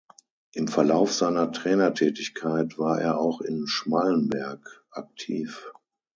Im Verlauf seiner Trainertätigkeit war er auch in Schmallenberg aktiv.